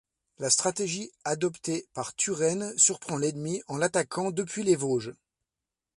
La stratégie adoptée par Turenne surprend l'ennemi, en l'attaquant depuis les Vosges.